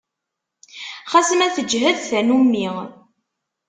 Xas ma teǧǧhed tannumi.